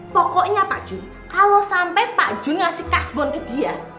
pokoknya pak jun kalau sampai pak jun ngasih cashbon ke dia